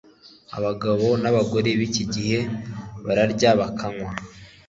Abagabo nabagore biki gihe bararya bakanywa